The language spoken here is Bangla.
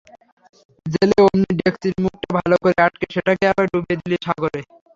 জেলে অমনি ডেকচির মুখটা ভালো করে আটকে সেটাকে আবার ডুবিয়ে দিল সাগরে।